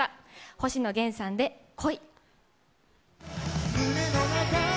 星野源さんで、恋。